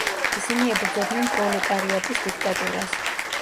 ისინი ებრძოდნენ პროლეტარიატის დიქტატურას.